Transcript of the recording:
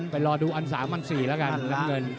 ไปรอดูอัน๓อัน๔แล้วกัน